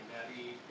dari penyidik kpk